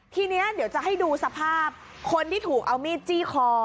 ทีนี้เดี๋ยวจะให้ดูสภาพคนที่ถูกเอามีดจี้คอ